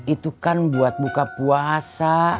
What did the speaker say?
itu kan buat buka puasa